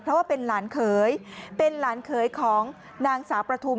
เพราะว่าเป็นหลานเขยเป็นหลานเขยของนางสาวประทุม